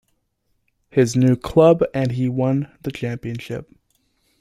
His new club and he won the championship.